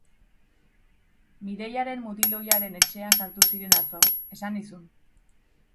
Mireiaren mutil ohiaren etxean sartu ziren atzo, esan nizun.